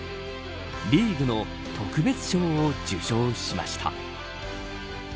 リーグの特別賞を受賞しました。